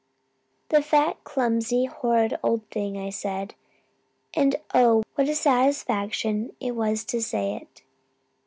"'The fat, clumsy, horrid old thing,' I said and oh, what a satisfaction it was to say it.